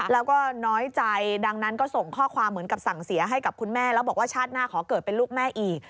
แล้วก็น้อยใจดังนั้นก็ส่งข้อความเหมือนกับสั่งเสียให้กับคุณแม่แล้วบอกว่าชาติหน้าขอเกิดเป็นลูกแม่อีก